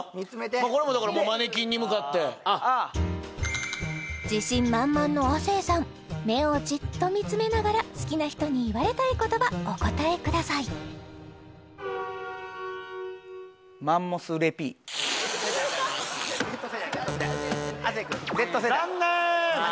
これもだからもうマネキンに向かって自信満々の亜生さん目をじっと見つめながら好きな人に言われたい言葉お答えください残念！